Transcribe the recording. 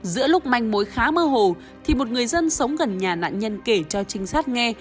giữa lúc manh mối khá mơ hồ thì một người dân sống gần nhà nạn nhân kể cho trinh sát nghe